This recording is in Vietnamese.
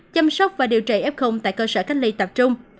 chăm sóc và điều trị f tại cơ sở cách ly tập trung